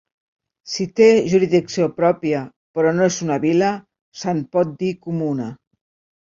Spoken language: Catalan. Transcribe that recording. Si té jurisdicció pròpia però no és una vila, se'n pot dir comuna.